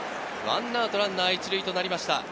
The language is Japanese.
１アウトランナー１塁となりました。